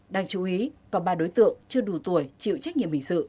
đang chú ý còn ba đối tượng chưa đủ tuổi chịu trách